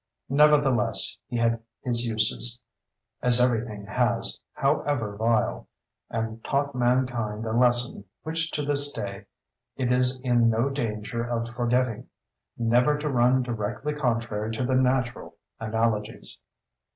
Nevertheless, he had his uses, as every thing has, however vile, and taught mankind a lesson which to this day it is in no danger of forgetting—never to run directly contrary to the natural analogies.